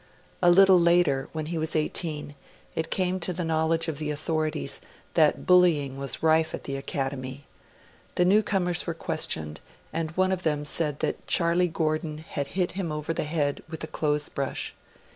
A little later, when he was eighteen, it came to the knowledge of the authorities that bullying was rife at the Academy. The new comers were questioned, and one of them said that Charlie Gordon had hit him over the head with a clothes brush.